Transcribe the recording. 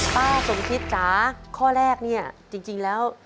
ป้าสมคิดจ๋าข้อแรกเนี่ยจริงแล้ว